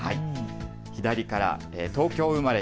左から東京生まれ